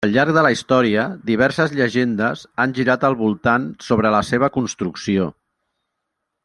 Al llarg de la història, diverses llegendes han girat al voltant sobre la seva construcció.